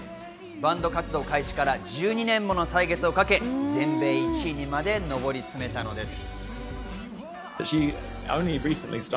バンド活動開始から１２年もの歳月をかけ全米１位にまで上り詰めたのです。